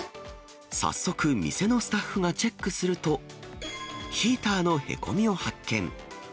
早速、店のスタッフがチェックすると、ヒーターのへこみを発見。